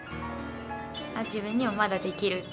自分にもまだできるっていう。